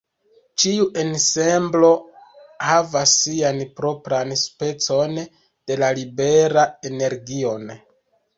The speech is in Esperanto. Ĉiu ensemblo havas sian propran specon de la libera energion.